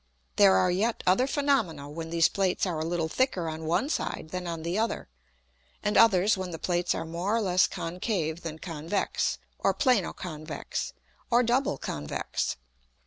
There are yet other Phænomena when these Plates are a little thicker on one side than on the other, and others when the Plates are more or less concave than convex, or plano convex, or double convex.